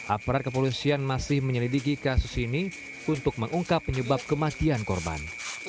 aparat kepolisian masih menyelidiki kasus ini untuk mengungkap penyebab kematian korban